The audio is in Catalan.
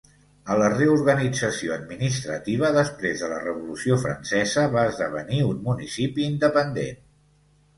A la reorganització administrativa després de la revolució francesa va esdevenir un municipi independent.